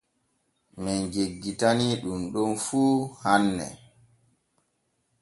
Men jeggitanii ɗun ɗon fu hanne.